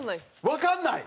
わかんない！？